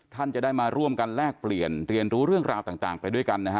ท่านจะได้มาร่วมกันแลกเปลี่ยนเรียนรู้เรื่องราวต่างไปด้วยกันนะฮะ